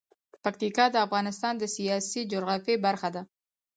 پکتیکا د افغانستان د سیاسي جغرافیه برخه ده.